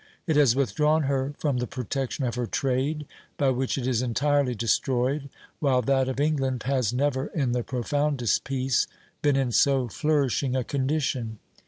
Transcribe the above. It has withdrawn her from the protection of her trade, by which it is entirely destroyed, while that of England has never, in the profoundest peace, been in so flourishing a condition.